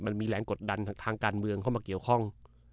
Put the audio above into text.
มันมีแรงกดดันทางการเมืองเข้ามาเกี่ยวข้อง